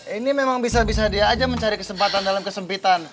ini memang bisa bisa dia aja mencari kesempatan dalam kesempitan